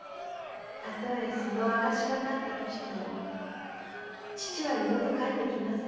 例えその証が立っても父は二度と帰ってきません。